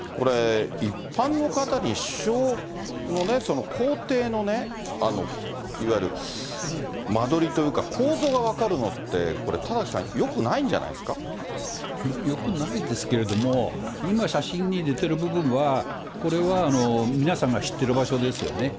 一般の方に首相の公邸の、いわゆる間取りというか、構造が分かるのって、これ、田崎さん、よくないですけれども、今、写真に出てる部分は、これは皆さんが知ってる場所ですよね。